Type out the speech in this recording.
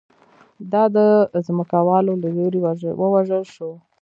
دا د ځمکوالو له لوري ووژل شو